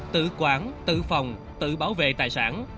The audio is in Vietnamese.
tự quản tự phòng tự bảo vệ tài sản